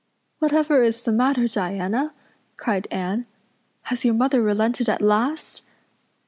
"Whatever is the matter, Diana?" cried Anne. "Has your mother relented at last?"